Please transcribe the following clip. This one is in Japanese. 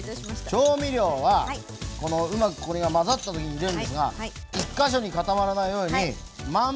調味料はうまくこれが混ざった時に入れるんですが１か所に固まらないように満遍なくかかるようにね。